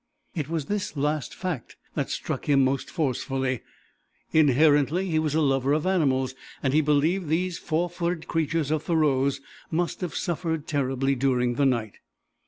It was this last fact that struck him most forcefully. Inherently he was a lover of animals, and he believed these four footed creatures of Thoreau's must have suffered terribly during the night.